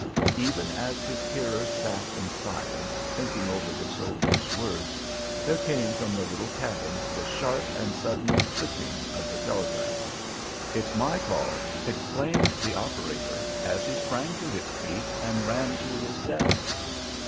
Even as his hearers sat in silence, thinking over the soldier's words, there came from the little cabin the sharp and sudden clicking of the telegraph. "It's my call," exclaimed the operator, as he sprang to his feet and ran to his desk.